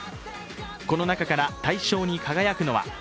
この中から大賞に輝くのは？